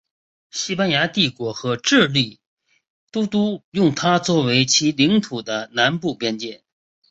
西班牙帝国和智利都督用它作为其领土的南部边界。